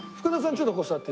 ちょっとここ座って。